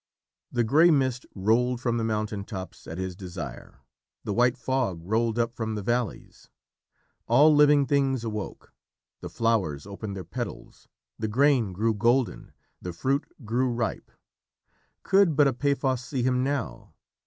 The grey mist rolled from the mountain tops at his desire. The white fog rolled up from the valleys. All living things awoke; the flowers opened their petals; the grain grew golden; the fruit grew ripe. Could but Epaphos see him now!